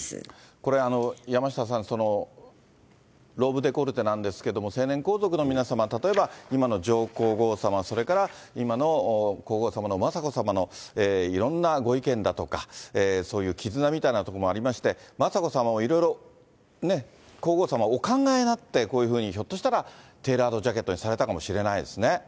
これ、山下さん、ローブデコルテなんですけれども、成年皇族の皆様、例えば今の上皇后さま、それから今の皇后さまの雅子さまのいろんなご意見だとか、そういう絆みたいなところもありまして、雅子さまもいろいろ皇后さま、お考えになって、こういうふうに、ひょっとしたら、テーラードジャケットにされたかもしれないですね。